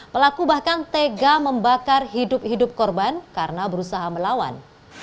pelaku bahkan tega membakar hidup hidup korban karena berusaha melawan